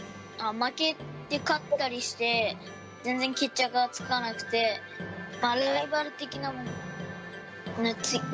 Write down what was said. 負けて、勝ったりして、全然決着がつかなくて、ライバル的な。